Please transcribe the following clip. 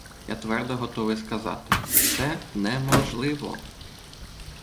Я твердо готовий сказати: це неможливо!